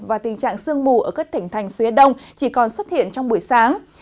và tình trạng sương mù ở các tỉnh thành phía đông chỉ còn xuất hiện trong buổi sáng